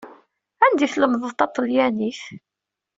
Anda i tlemdeḍ taṭelyanit?